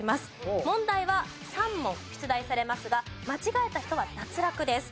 問題は３問出題されますが間違えた人は脱落です。